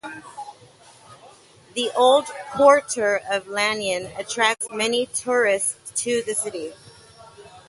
The old quarter of Lannion attracts many tourists to the city.